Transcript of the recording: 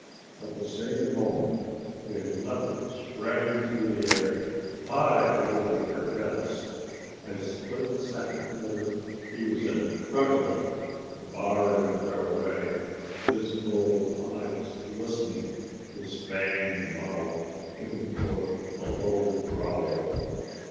At the same moment a leopard sprang through the air, high over their heads. A split second later he was in front of them, barring their way, his gold eyes glistening, his fanged mouth giving forth a low growl.